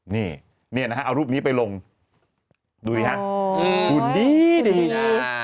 นี่เนี่ยนะฮะเอารูปนี้ไปลงดูสิฮะหุ่นดีดีนะ